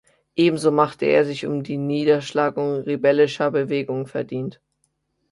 Ebenso machte er sich um die Niederschlagung rebellischer Bewegungen verdient.